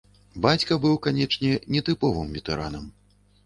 Бацька быў, канечне, нетыповым ветэранам.